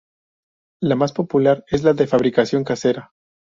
La más popular es la de fabricación casera.